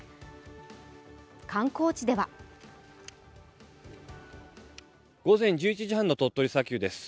観光地では午前１１時半の鳥取砂丘です。